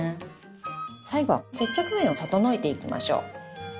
最後接着面を整えていきましょう。